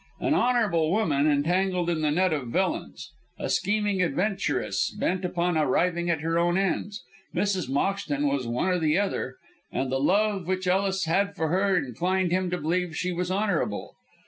An honourable woman, entangled in the net of villains: a scheming adventuress, bent upon arriving at her own ends Mrs. Moxton was one or the other; and the love which Ellis had for her inclined him to believe she was honourable.